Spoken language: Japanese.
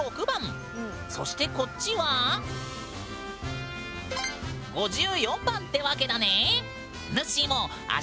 そしてこっちは５４番ってわけだね！